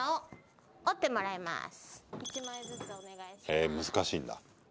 へえ、難しいんだ。